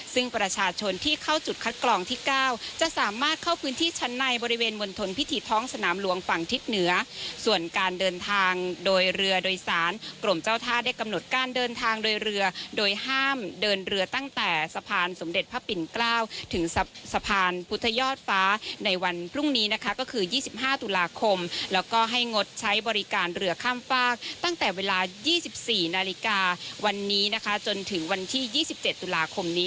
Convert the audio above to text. ซึ่งประชาชนที่เข้าจุดคัดกรองที่เก้าจะสามารถเข้าพื้นที่ชั้นในบริเวณวนทนพิธีท้องสนามลวงฝั่งทิศเหนือส่วนการเดินทางโดยเรือโดยสารกรมเจ้าท่าได้กำหนดการเดินทางโดยเรือโดยห้ามเดินเรือตั้งแต่สะพานสมเด็จพระปิ่นเกล้าถึงสะพานพุทธยอดฟ้าในวันพรุ่งนี้นะคะก็คือยี่สิบห้า